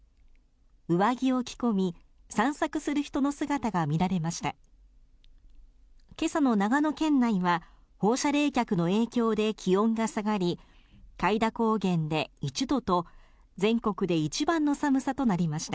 上着を着こみ、散策する人の姿が見られました。